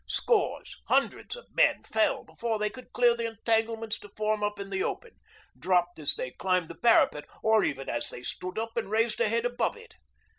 Scores, hundreds of men fell before they could clear the entanglements to form up in the open, dropped as they climbed the parapet, or even as they stood up and raised a head above it.